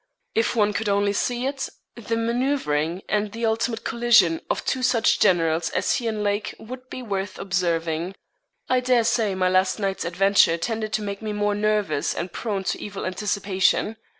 If one could only see it, the manoeuvring and the ultimate collision of two such generals as he and Lake would be worth observing. I dare say my last night's adventure tended to make me more nervous and prone to evil anticipation.